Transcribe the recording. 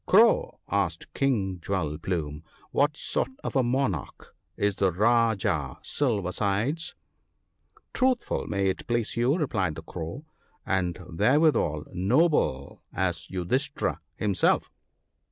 * Crow !' asked King Jewel plume, ' what sort of a Monarch is the Rajah Silver sides ?'' Truthful, may it please you/ replied the Crow ;* and therewithal noble as Yudhisthira ( 1OT ) himself.'